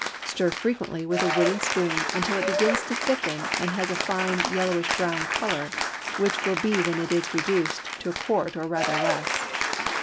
Stir frequently with a wooden spoon until it begins to thicken and has a fine yellowish brown color, which will be when it is reduced to a quart or rather less.